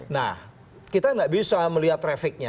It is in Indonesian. nah kita tidak bisa melihat trafiknya